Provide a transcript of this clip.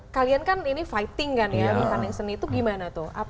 kalian kan ini fighting kan ya makan yang seni itu gimana tuh